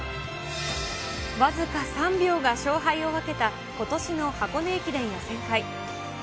僅か３秒が勝敗を分けたことしの箱根駅伝予選会。